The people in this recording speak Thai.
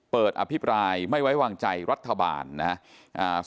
เปิดอภิปรายไม่ไว้วางใจรัฐบาลนะฮะ